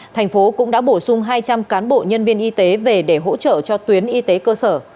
thành phố cũng đã bổ sung hai trăm linh cán bộ nhân viên y tế về để hỗ trợ cho tuyến y tế cơ sở